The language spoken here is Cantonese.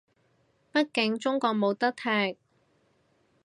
畢竟中國冇得踢